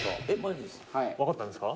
わかったんですか？